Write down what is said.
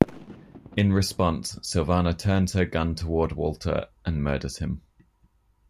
In response, Silvana turns her gun toward Walter and murders him.